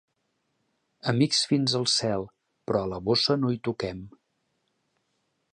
Amics fins al cel, però a la bossa no hi toquem.